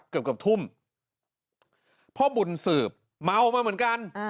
เกือบเกือบทุ่มพ่อบุญสืบเมามาเหมือนกัน